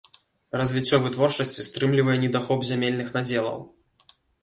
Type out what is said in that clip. Развіццё вытворчасці стрымлівае недахоп зямельных надзелаў.